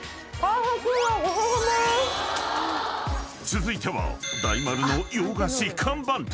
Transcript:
［続いては大丸の洋菓子看板店］